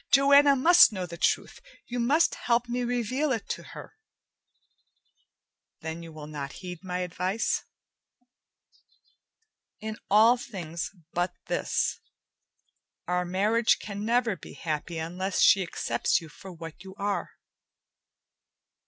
"Joanna must know the truth. You must help me reveal it to her." "Then you will not heed my advice?" "In all things but this. Our marriage can never be happy unless she accepts you for what you are."